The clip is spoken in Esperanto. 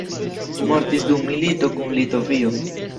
Mortis dum milito kun Litovio.